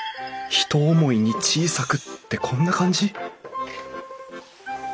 「ひと思いに小さく」ってこんな感じ？